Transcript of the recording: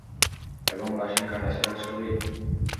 এবং লাশের কাটা-ছেঁড়ার ছবি?